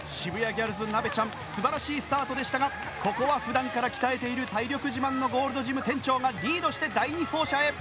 ギャルズなべちゃん素晴らしいスタートでしたがここは普段から鍛えている体力自慢のゴールドジム店長がリードして第２走者へ。